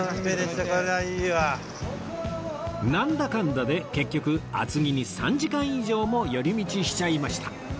なんだかんだで結局厚木に３時間以上も寄り道しちゃいました